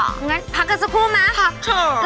อย่างนั้นพักกันสักครู่นะพักเถอะ